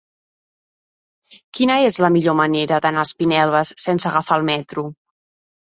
Quina és la millor manera d'anar a Espinelves sense agafar el metro?